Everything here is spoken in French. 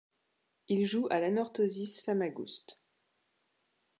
Il joue à l'Anorthosis Famagouste.